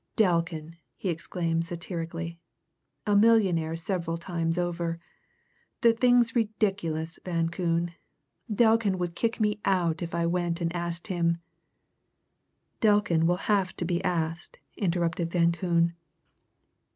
"Delkin!" he exclaimed satirically. "A millionaire several times over! The thing's ridiculous, Van Koon! Delkin would kick me out if I went and asked him " "Delkin will have to be asked," interrupted Van Koon.